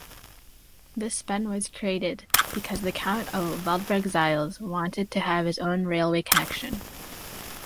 This bend was created because the Count of Waldburg-Zeil’s wanted to have his own railway connection.